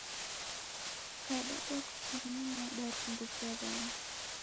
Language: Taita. Ukaadadwa kuting'ini wadarumbukia w'andu.